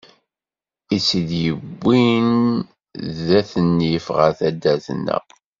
I tt-id-yewwin d at nnif ɣer taddart-nneɣ.